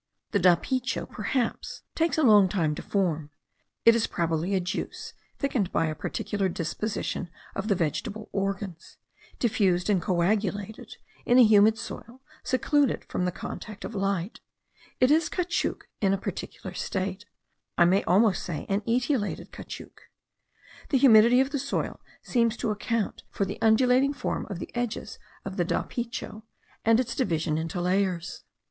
The dapicho perhaps takes a long time to form; it is probably a juice thickened by a particular disposition of the vegetable organs, diffused and coagulated in a humid soil secluded from the contact of light; it is caoutchouc in a particular state, I may almost say an etiolated caoutchouc. The humidity of the soil seems to account for the undulating form of the edges of the dapicho, and its division into layers.